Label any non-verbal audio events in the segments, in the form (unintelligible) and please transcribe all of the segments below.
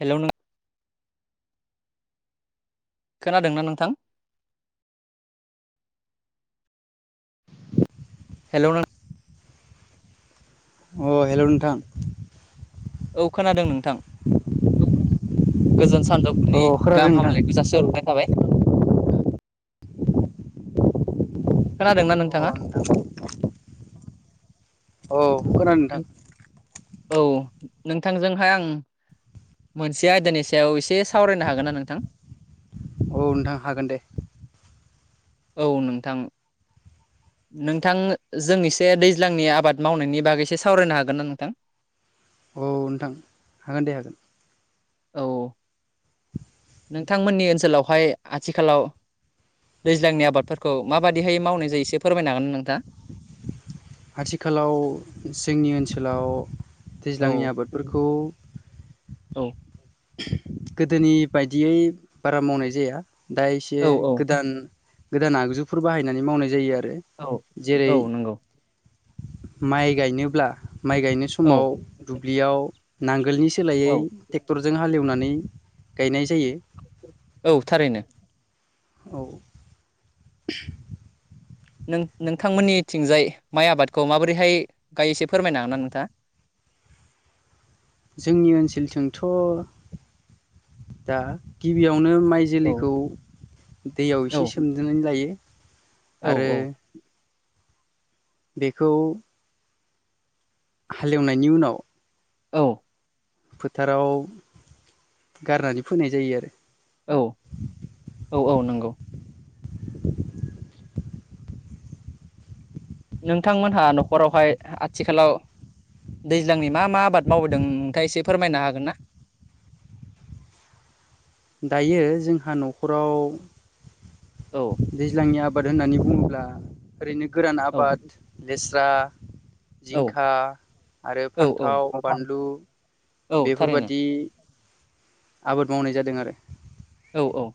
Hello नों खोनादोंना नोंथां? हेलौ नों अ हेल' नोंथां। औ खोनादों नोंथां। (inaudible) गोजोन औ सानजौफुनि खोनादों गाहाम नोंथां हामलायनायखौ जासि हरग्रोनाय थाबाय। खोनादोंना अ नोंथाङा? नोंथां औ खोनादों नोंथां। औ नोंथांजोंहाय आं मोनसे आयदानि सायाव एसे सावरायनो हागोन ना नोंथां? औ नोंथां हागोन दे। औ नोंथां। नोंथां जों एसे दैज्लांनि आबाद मावनायनि बागैसो सावरायनो हागोनना नोंथां? औ नोंथां हागोन दे हागोन। औ औ। नोंथांमोननि ओनसोलावहाय आथिखालाव दैज्लांनि आबादफोरखौ माबायदिहाय मावनाय जायो एसे फोरमायनो हागोन ना नोंथा? आथिखालाव जोंनि ओनसोलाव औ दैज्लांनि आबादफोरखौ औ गोदोनि बायदियै बारा मावनाय जाया दा एसे औ औ गोदान गोदान आगजुफोर बाहायनानै मावनाय जायो आरो औ जेरै औ नंगौ माइ गायनोब्ला माइ गायनो समाव दुब्लियाव नांगोलनि सोलायै औ औ टे जों हालेवनानै गायनाय जायो। औ थारैनो। औ। नों नोंथां मोननिथिंजाय माइ आबादखौ माबोरैहाय गायो इसे फोरमायनो हागोन ना नोंथाङा? (inaudible) जोंनि ओनसोलथिंथ' दा गिबियाव यावनो माइ औ जोलैखौ दैयाव औ एसे सोमग्रोनानै लायो। आरो औ बेखौ हालेवनायनि उनाव औ। फोथाराव गारनानै फोनाय जायो आरो। औ औ औ नंगौ। नोंथांमोनहा न'खरावहाय आथिखालाव दैज्लांनि मा मा आबाद मावबोदों नोंथाङा एसे फोरमायनो हागोन ना? (inaudible) दायो जोंहा न'खराव औ दैज्लांनि आबा बाद होननानै बुङोब्ला ओरैनो गोरान औ आबाद लेस्रा औ जिंखा आरो औ फान्थाव औ बानलु औ थारैनो बेफोरबादि आबाद मावनाय जादों आरो। औ औ।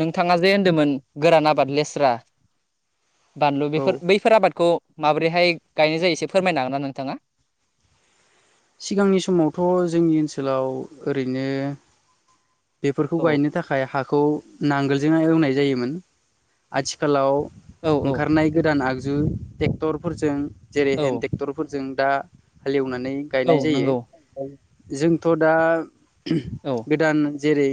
नोंथाङा जे होनदोंमोन गोरान आबाद लेस्रा बानलु औ बेफोर बैफोर आबादखौ माबोरैहाय गायनाय जायो एसे फोरमायनो हागोना नोंथाङा? सिगांनि समावथ' जोंनि ओनसोलाव ओरैनो बेफोरखौ औ गायनो थाखाय हाखौ नांगोलजोंहाय एवनाय जायोमोन आथिखालाव औ औ ओंखारनाय गोदान आगजु टेक्टरफोरजों जेरै हेन्द औ टेक्टरफोरजों दा हालेवनानै औ गायनाय जायो नंगौ औ जों थ' दा गोदान जेरै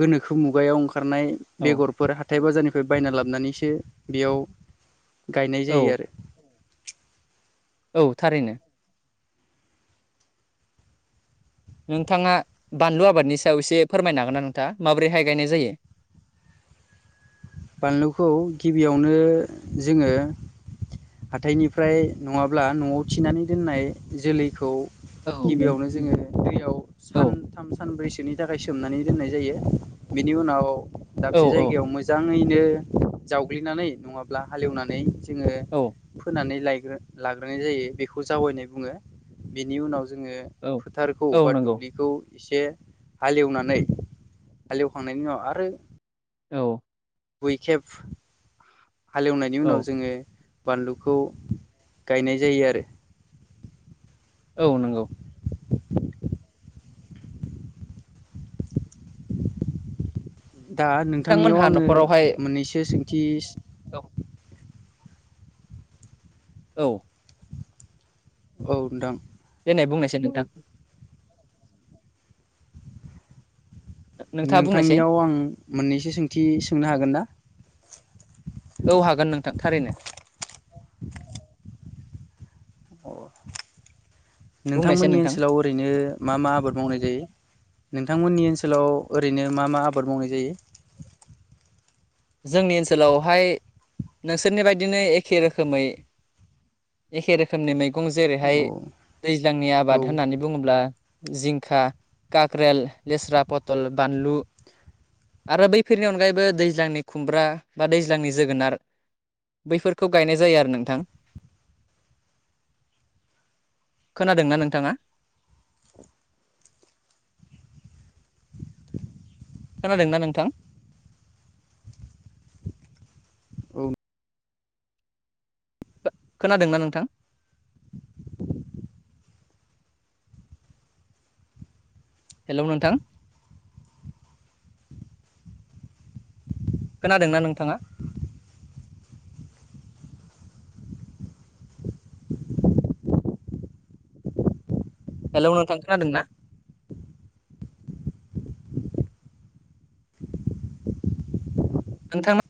गोनोखो मुगायाव ओंख खारनाय औ बेगरफोर हाथाय बाजारनिफ्राय बायना लाबोनानैसो बेयाव गायनाय औ जायो आरो। औ थारैनो। नोंथाङा बानलु आबादनि सायाव एसे फोरमायनो हागोन ना नोंथां माबोरैहाय गायनाय जायो? (inaudible) बानलुखौ गिबियावनो जोङो हाथायनिफ्राय नङाब्ला न'आव थिनानै दोननाय जोलैखौ औ गिबियावनो जोङो दैयाव औ सानथाम सानब्रैसोनि थाखाय सोमनानै दोननाय जायो बिनि उनाव औ दाबसे जायगायाव मोज ङैनो जावग्लिनानै नङाब्ला हालेवनानै जोङो औ फोनानै लायो। लाग्रोनाय जायो बेखौ जावयैनाय बुङो बेनि उनाव जोङो औ फोथारखौ औ बा नंगौ दुब्लिखौ एसे हालेवनानै हालेवखांनायनि उनाव आरो औ। (unintelligible) हालेवनायनि औ उनाव जोङो बानलुखौ गायनाय जायो आरो। औ नंगौ। दा नोंथांनियाव नोंथांमोनहा आङो न'खरावहाय मोननैसो सोंथि औ औ औ नोंथां देनाय‌ बुंनायसाय नोंथां नोंथाङा बुंनायसै नोंथांनियाव आं मोननैसो सोंथि सोंनो हागोन ना? औ हागोन नोंथां थारैनो अ बुंनायसै नोंथांमोननि नोंथां ओनसोलाव ओरैनो मा मा आबाद मावनाय जायो? नोंथांमोननि ओनसोलाव ओरैनो मा मा आबाद मावनाय जायो? जोंनि ओनसोलावहाय नोंसोरनि बायदिनो एखे रोखोमै एखे रोखोमनि मैगं जेरैहाय औ दैज्लांनि आबाद औ होननानै बुङोब्ला जिंखा खाक्रेल लेस्रा पथल बानलु आरो बैफोरनि अनगायैबो दैज्लांनि खुमब्रा बा दैज्लांनि जोगोनार बैफोरखौ गायनाय जायो आरो नोंथां। खोनादोंना नोंथाङा? (inaudible) खोनादोंना नोंथां? उम खोनादोंना नोंथां? हेलौ नोंथां खोनादोंना नोंथाङा? हेलौ नोंथां खोनादोंना? नोंथां